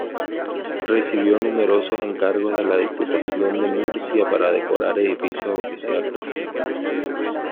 Recibió numerosos encargos de la Diputación de Murcia para decorar edificios oficiales.